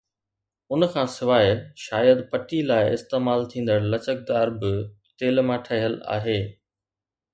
ان کان سواءِ شايد پٽي لاءِ استعمال ٿيندڙ لچڪدار به تيل مان ٺهيل آهي